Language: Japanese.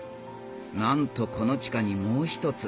なんとこの地下にもう一つ